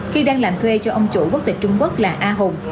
khi đang làm thuê cho ông chủ quốc tịch trung quốc là a hùng